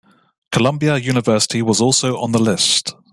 Columbia University was also on the list.